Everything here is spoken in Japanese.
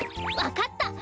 わかった！